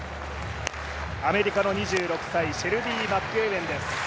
アメリカの２６歳、シェルビー・マックエウェンです。